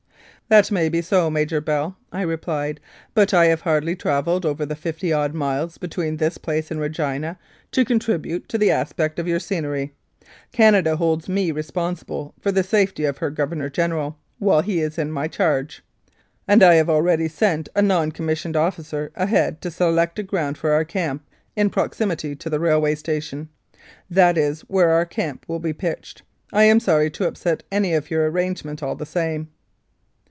"That may be so, Major Bell," I replied, "but I have hardly travelled over the fifty odd miles between this place and Regina to contribute to the aspect of your scenery. Canada holds me responsible for the safety of her Governor General while he is in my charge, and I have already sent a non commissioned officer ahead to select a ground for our camp in proximity to the railway station. That is where our camp will be pitched. I am sorry to upset any of your arrangements all the same."